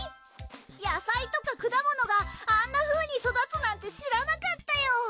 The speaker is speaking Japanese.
野菜とか果物があんなふうに育つなんて知らなかったよ。